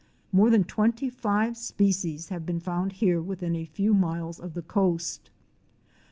More than twenty five species have been found here within a few miles of the coast.